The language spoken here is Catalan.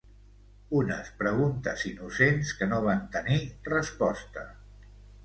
Unes preguntes innocents que no van tenir resposta...